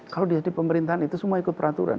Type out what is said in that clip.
kalau dia di pemerintahan itu semua ikut peraturan